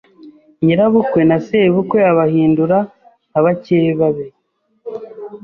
nyirabukwe na sebukwe abahindura nka bakeba be